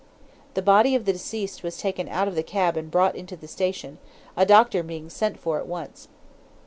The body of the deceased was taken out of the cab and brought into the station, a doctor being sent for at once.